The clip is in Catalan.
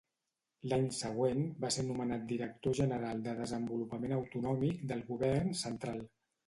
L'any següent va ser nomenat director general de Desenvolupament Autonòmic del Govern central.